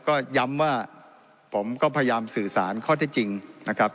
ก็ย้ำว่าผมก็พยายามสื่อสารข้อที่จริงนะครับ